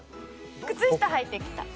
靴下はいてきた。